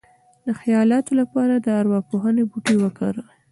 د خیالاتو لپاره د ارواپوهنې بوټي وکاروئ